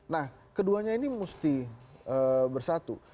nah keduanya ini mesti bersatu